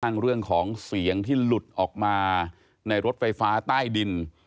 เรื่องของเสียงที่หลุดออกมาในรถไฟฟ้าใต้ดิน